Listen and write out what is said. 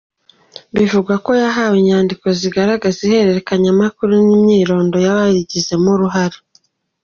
Bivugwa ko yahawe inyandiko zigaragaza ihererekanyamakuru n’imyirondoro y’ababigizemo uruhare.